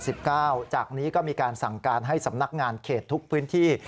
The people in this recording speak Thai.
จากนี้ก็มีการสั่งการให้สำนักงานเขตทุกพื้นที่